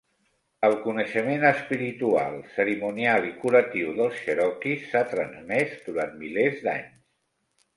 El coneixement espiritual, cerimonial i curatiu dels cherokees s'ha transmès durant milers d'anys.